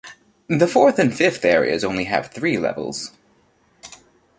The fourth and fifth areas only have three levels.